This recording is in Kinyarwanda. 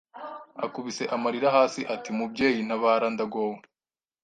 akubise amarira hasi, ati: "Mubyeyi ntabara ndagowe